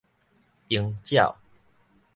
鷹鳥